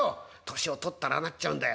年を取ったらああなっちゃうんだよ」。